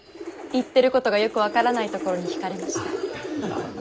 言ってることがよく分からないところに引かれました。